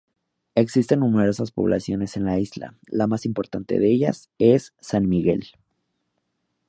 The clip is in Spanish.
Existen numerosas poblaciones en la isla; la más importante de ellas es San Miguel.